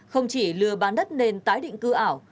không chỉ lừa bán đất nền tái định cư ảo